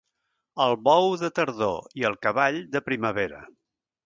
El bou, de tardor, i el cavall, de primavera.